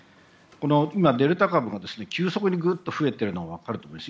デルタ株が今急速に増えていることが分かると思います。